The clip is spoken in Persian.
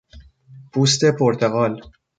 پوست پرتقال